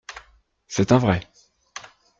C'est un vrai.